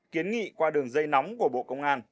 kiến nghị qua đường dây nóng của bộ công an